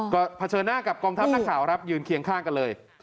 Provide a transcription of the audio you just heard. ก็เผชิญหน้ากับกองทัพนักข่าวครับยืนเคียงข้างกันเลย